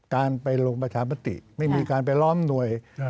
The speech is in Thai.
การไปลงประชามติไม่มีการไปล้อมหน่วย